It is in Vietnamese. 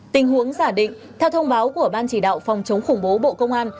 tình huống giả định theo thông báo của ban chỉ đạo phòng chống khủng bố bộ công an